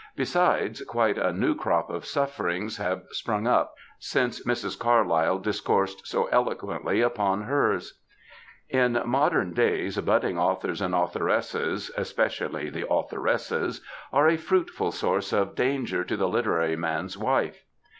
Besides, quite a new crop of sufferings have sprung up since Mrs. Carlyle discoursed so eloquently upon hers. In modem days budding authors and authoresses (especi ally the authoresses) are a fruitful source of danger to the literary man'^s wife.